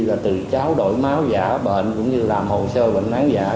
là từ cháu đổi máu giả bệnh cũng như làm hồ sơ bệnh nán giả